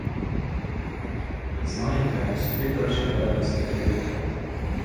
А знаєте, сюди краще перенести той букет.